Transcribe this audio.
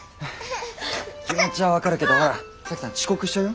気持ちは分かるけどほら沙樹さん遅刻しちゃうよ。